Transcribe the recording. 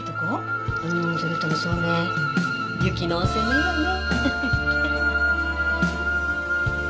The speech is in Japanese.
うーんそれともそうね雪の温泉もいいわね。